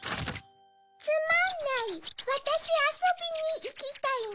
「つまんないわたしあそびにいきたいの」。